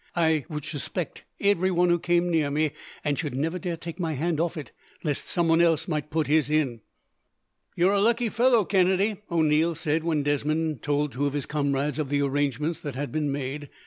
I should suspict everyone who came near me, and should never dare take my hand off it, lest someone else might put his in." "You are a lucky fellow, Kennedy," O'Neil said, when Desmond told his two comrades of the arrangements that had been made.